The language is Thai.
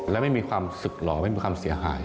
และไม่มีความศึกหล่อไม่มีความเสียหาย